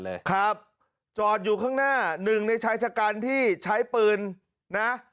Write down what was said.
เลยครับจอดอยู่ข้างหน้าหนึ่งในชายชะกันที่ใช้ปืนนะ